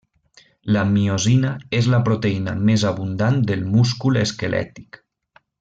La miosina és la proteïna més abundant del múscul esquelètic.